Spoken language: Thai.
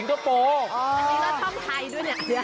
อ้าว